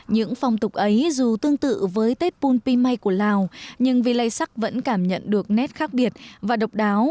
những phong tục ấy dù tương tự với tết punpimay của lào nhưng vì lai sắc vẫn cảm nhận được nét khác biệt và độc đáo